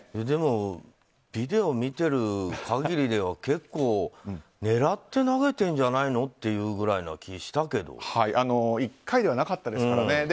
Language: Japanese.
でも、ビデオを見てる限りでは結構狙って投げてるんじゃないのっていうぐらいな１回ではなかったですからね。